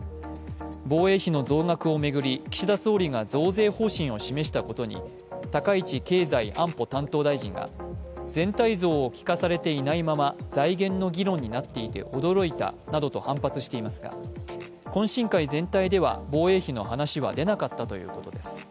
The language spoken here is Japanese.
防衛費の増額を巡り、岸田総理が増税方針を示したことに高市経済安保担当大臣が全体像を聞かされていないまま財源の議論になって驚いたなどと反発していますが懇親会全体では防衛費の話は出なかったということです。